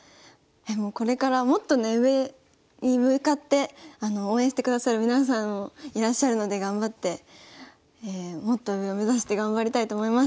これからもっとね上に向かって応援してくださる皆さんもいらっしゃるので頑張ってもっと上を目指して頑張りたいと思います。